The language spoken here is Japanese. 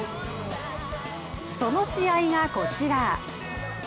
その試合がこちら！